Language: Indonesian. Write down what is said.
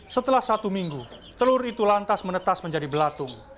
setelah satu minggu telur itu lantas menetas menjadi belatung